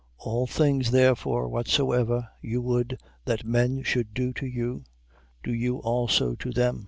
7:12. All things therefore whatsoever you would that men should do to you, do you also to them.